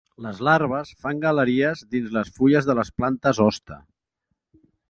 Les larves fan galeries dins les fulles de les plantes hoste.